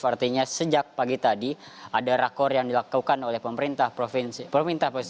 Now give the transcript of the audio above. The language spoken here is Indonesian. artinya sejak pagi tadi ada rakor yang dilakukan oleh pemerintah provinsi